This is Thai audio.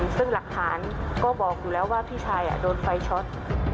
ซึ่งหลักฐานก็บอกอยู่แล้วว่าพี่ชายโดนไฟช็อต